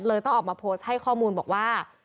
ต้องออกมาโพสต์ให้ข้อมูลบอกว่า